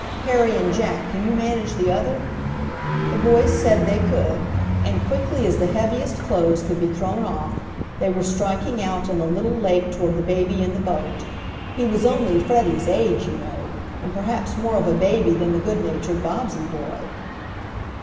Harry and Jack, can you manage the other?" The boys said they could, and quickly as the heaviest clothes could be thrown off they were striking out in the little lake toward the baby in the boat. He was only Freddie's age, you know, and perhaps more of a baby than the good natured Bobbsey boy.